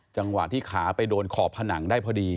จังหวะที่ขาไปโดนขอบผนังได้พอดี